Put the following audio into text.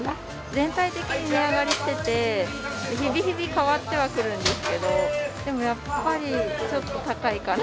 全体的に値上がりしてて、日々日々変わってはくるんですけど、でもやっぱり、ちょっと高いかな。